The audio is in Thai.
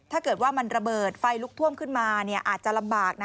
ถ้าเกิดว่ามันระเบิดไฟลุกท่วมขึ้นมาอาจจะลำบาก